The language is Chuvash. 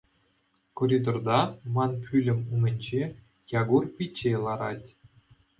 Коридорта, ман пӳлӗм умӗнче, Якур пичче ларать.